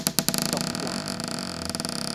毒男